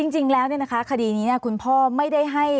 จริงแล้วเนี่ยนะคะคดีนี้คุณพ่อไม่ได้ให้